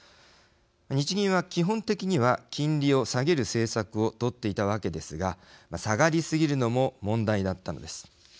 日銀は基本的には金利を下げる政策を取っていたわけですが下がりすぎるのも問題だったのです。